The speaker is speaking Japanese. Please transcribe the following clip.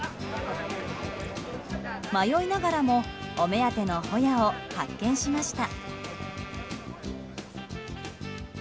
迷いながらもお目当てのホヤを発見しました。